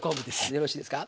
よろしいですか？